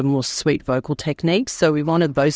yang akan melakukan teknik vokal yang lebih manis